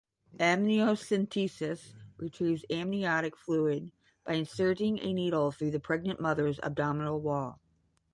Amniocentesis retrieves amniotic fluid by inserting a needle through the pregnant mother's abdominal wall.